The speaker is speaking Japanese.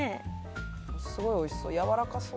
すごいおいしそう。